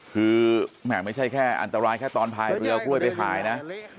คือไม่ใช่แค่อันตรายแค่ตอนพายเรือกล้วยไปขายนะ